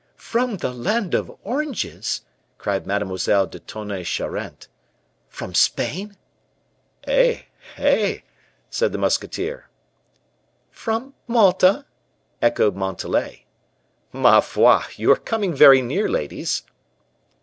"From the land of oranges?" cried Mademoiselle de Tonnay Charente. "From Spain?" "Eh! eh!" said the musketeer. "From Malta?" echoed Montalais. "Ma foi! You are coming very near, ladies."